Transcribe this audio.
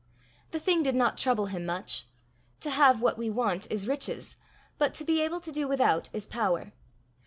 The thing did not trouble him much. To have what we want is riches, but to be able to do without is power.